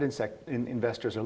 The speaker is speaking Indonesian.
oleh pemerintah pribadi